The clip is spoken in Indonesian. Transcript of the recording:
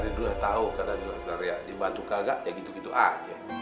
dibantu kagak ya gitu gitu aja